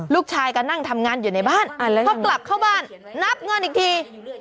ลูกชายก็นั่งทำงานอยู่ในบ้านพอกลับเข้าบ้านนับเงินอีกที